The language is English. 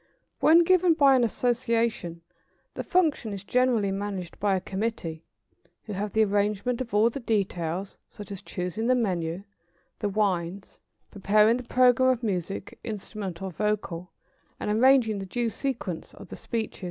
] When given by an association, the function is generally managed by a committee, who have the arrangement of all the details, such as choosing the menu, the wines, preparing the programme of music, instrumental or vocal, and arranging the due sequence of the speeches.